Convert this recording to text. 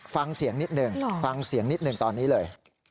ฟังเสียงนิดหนึ่งฟังเสียงนิดหนึ่งตอนนี้เลย